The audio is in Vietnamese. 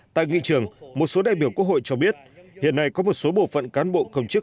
tại nghị trường một số đại biểu quốc hội cho biết hiện nay có một số bộ phận cán bộ công chức